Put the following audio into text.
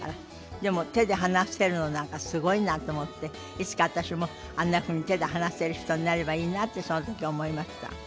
でも手で話せるのなんかすごいなと思っていつか私もあんなふうに手で話せる人になればいいなとその時思いました。